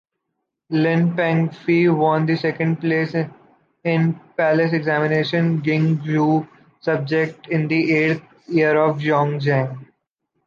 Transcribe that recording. Lin Pengfei won the second place in palace examination of Geng-Xu subject in the eighth year of Yong Zheng.